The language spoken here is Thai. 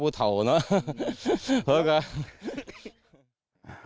พวกพนติฟันกันนะแนวปูเท่าเนอะ